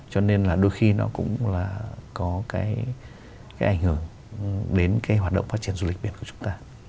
cho nên là đôi khi nó cũng là có cái ảnh hưởng đến cái hoạt động phát triển du lịch biển của chúng ta